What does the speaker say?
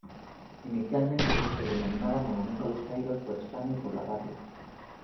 Inicialmente se denominaba Monumento a los Caídos por España y por la Patria.